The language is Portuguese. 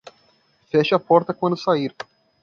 Feche a porta quando sair